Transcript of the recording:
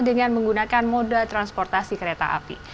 dengan menggunakan moda transportasi kereta api